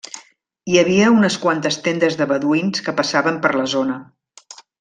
Hi havia unes quantes tendes de beduïns que passaven per la zona.